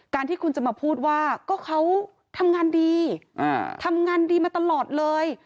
ที่คุณจะมาพูดว่าก็เขาทำงานดีทำงานดีมาตลอดเลย